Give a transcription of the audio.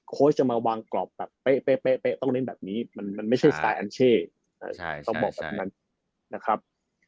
จะมาวางกรอบแบบเป๊ะต้องเน้นแบบนี้มันไม่ใช่สไตล์แอนเช่เขาบอกแบบนั้นนะครับ